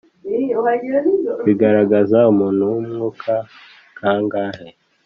bigaragaza umuntu w’umwuka; kangha,